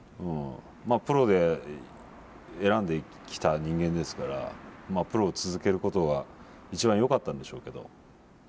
プロで選んできた人間ですからまあプロを続けることが一番よかったんでしょうけど。